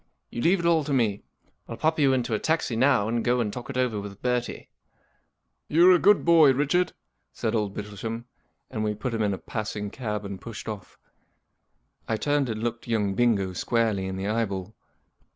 You leave it all to me. I'll pop you into a taxi now, and go, and talk it over with Bertie." 44 You're a good boy, Richard,'* said old Bittlesham, and we put him in a passing cab and pushed off. I turned and looked young Bingo squarely in the eyeball.